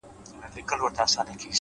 علم د انسان راتلونکی جوړوي’